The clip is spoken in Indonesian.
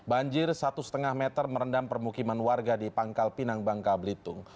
banjir satu lima meter merendam permukiman warga di pangkal pinang bangka belitung